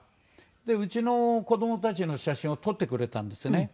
うちの子どもたちの写真を撮ってくれたんですね。